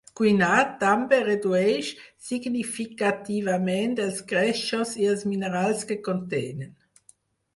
Cuinar també redueix significativament els greixos i els minerals que contenen.